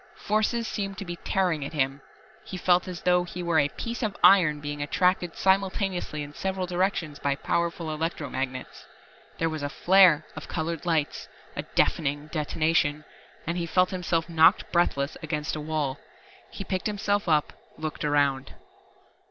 Forces seemed to be tearing at him. He felt as though he were a piece of iron being attracted simultaneously in several directions by powerful electro magnets. There was a flare of colored lights, a deafening detonation and he felt himself knocked breathless against a wall. He picked himself up, looked around.